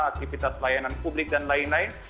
aktivitas layanan publik dan lain lain